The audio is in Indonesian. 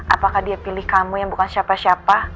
apakah dia pilih kamu yang bukan siapa siapa